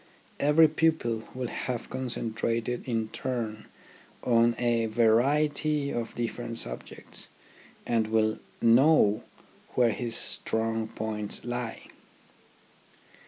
Every pupil will have con centrated in turn on a variety of different subjects, and will know where his strong points lie.